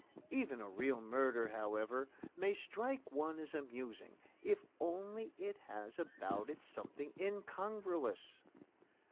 Even a real murder, however, may strike one as amusing, if only it has about it something incongruous.